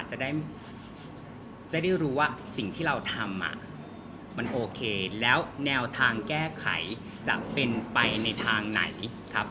จะได้รู้ว่าสิ่งที่เราทำมันโอเคแล้วแนวทางแก้ไขจะเป็นไปในทางไหนครับ